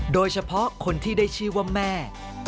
โดยเฉพาะคนที่ได้ชื่อว่าแม่